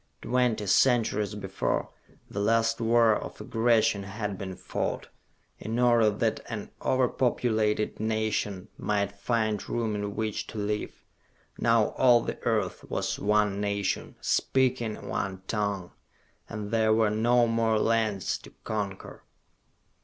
Twenty centuries before, the last war of aggression had been fought, in order that an over populated nation might find room in which to live. Now all the earth was one nation, speaking one tongue and there were no more lands to conquer.